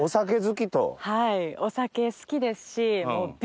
はいお酒好きですし。